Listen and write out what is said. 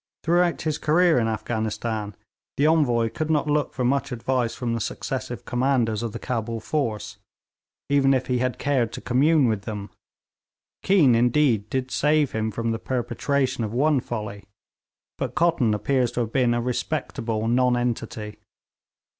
Throughout his career in Afghanistan the Envoy could not look for much advice from the successive commanders of the Cabul force, even if he had cared to commune with them. Keane, indeed, did save him from the perpetration of one folly. But Cotton appears to have been a respectable nonentity.